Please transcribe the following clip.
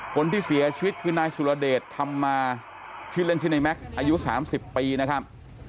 คนที่เสียชีวิตคือนายสุรเดชธรรมมาชื่อเล่นชื่อในแม็กซ์อายุ๓๐ปีนะครับ